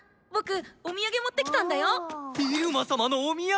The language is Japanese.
イルマ様のお土産！